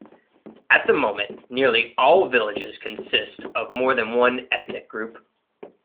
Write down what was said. At the moment nearly all villages consist of more than one ethnic group.